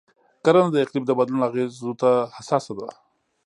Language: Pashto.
کرنه د اقلیم د بدلون اغېزو ته حساسه ده.